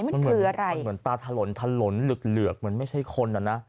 มันเหมือนอะไรมันเหมือนตาถล่นถลนเหลือกเหมือนไม่ใช่คนอ่ะนะ